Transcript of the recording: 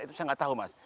itu saya nggak tahu mas